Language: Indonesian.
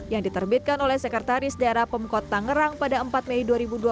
yang diterbitkan oleh sekretaris daerah pemkot tangerang pada empat mei dua ribu dua puluh